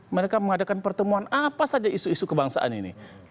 mereka mengadakan pertemuan apa saja isu isu kebangsaan ini